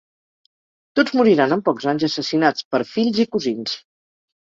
Tots moriran en pocs anys assassinats per fills i cosins.